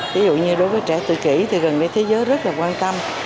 thí dụ như đối với trẻ tự kỷ thì gần đây thế giới rất quan tâm